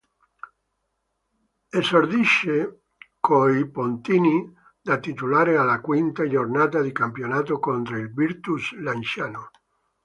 Esordisce coi "pontini" da titolare alla quinta giornata di campionato contro il Virtus Lanciano.